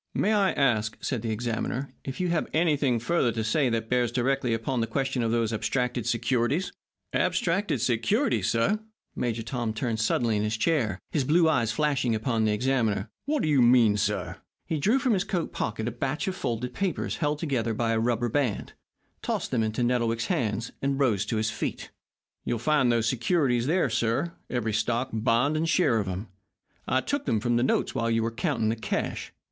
"May I ask," said the examiner, "if you have anything further to say that bears directly upon the question of those abstracted securities?" "Abstracted securities, sir!" Major Tom turned suddenly in his chair, his blue eyes flashing upon the examiner. "What do you mean, sir?" He drew from his coat pocket a batch of folded papers held together by a rubber band, tossed them into Nettlewick's hands, and rose to his feet. "You'll find those securities there, sir, every stock, bond, and share of 'em. I took them from the notes while you were counting the cash.